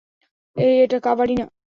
এই, এটা কাবাডি না।